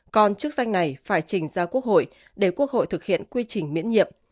còn chức danh này phải trình ra quốc hội để quốc hội thực hiện quy trình miễn nhiệm